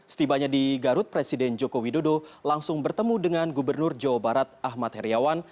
setibanya di garut presiden joko widodo langsung bertemu dengan gubernur jawa barat ahmad heriawan